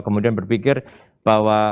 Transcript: kemudian berpikir bahwa